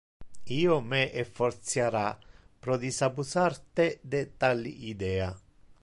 Io me effortiara pro disabusar te de tal idea.